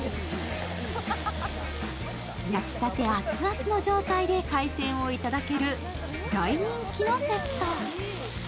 焼きたて熱々の状態で海鮮をいただける、大人気のセット。